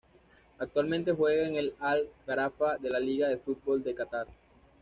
Actualmente juega en el Al-Gharafa de la Liga de fútbol de Catar.